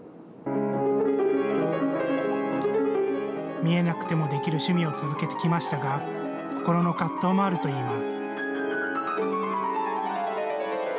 見えなくてもできる趣味を続けてきましたが、心の葛藤もあるといいます。